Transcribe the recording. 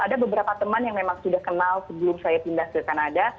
ada beberapa teman yang memang sudah kenal sebelum saya pindah ke kanada